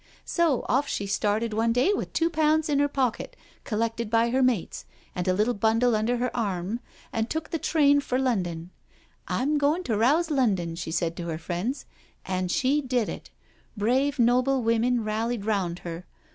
So off she started one day with two pounds in her pocket, collected by her mates, and a little bundle under her arm, and took the train for London. ' I'm going to rouse London,' she said to her friends, and she did it. Brave, noble women rallied round her.